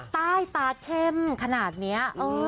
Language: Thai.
ใต้ตาเข้มขนาดนี้